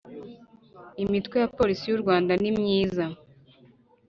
imitwe ya polisi y u rwanda ni myiza